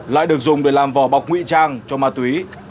lại được dùng để làm vỏ bọc nguy trang cho ma túy